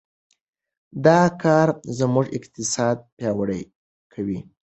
دا کار زموږ اقتصاد پیاوړی کوي.